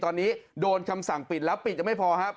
ตอนนี้โดนคำสั่งปิดแล้วปิดยังไม่พอครับ